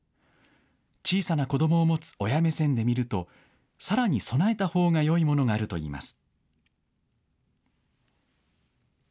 小さな子どもを持つ親目線で見るとさらに備えたほうがいいものがあるといいます。